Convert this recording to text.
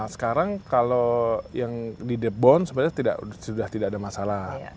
sekarang kalau yang di debon sebenarnya sudah tidak ada masalah